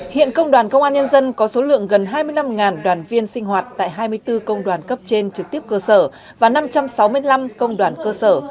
hiện công đoàn công an nhân dân có số lượng gần hai mươi năm đoàn viên sinh hoạt tại hai mươi bốn công đoàn cấp trên trực tiếp cơ sở và năm trăm sáu mươi năm công đoàn cơ sở